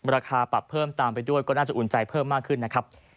ราคาปรับเพิ่มตามไปด้วยก็น่าจะอุ่นใจเพิ่มมากขึ้นนะครับ